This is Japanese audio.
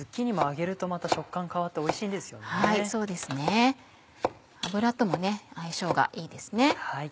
油と相性がいいですね。